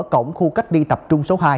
cổng khu cách ly tập trung số hai